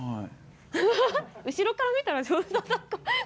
後ろから見たら上手なのかも。